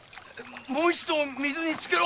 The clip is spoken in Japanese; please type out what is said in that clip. もう一度水につけろ。